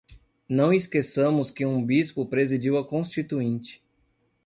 Não esqueçamos que um bispo presidiu a Constituinte